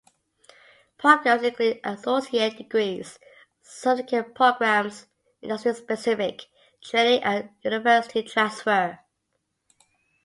Programs include associate degrees, certificate programs, industry-specific training and university transfer.